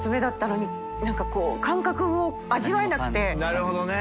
なるほどね。